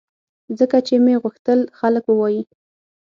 ځکه چې مې غوښتل خلک ووایي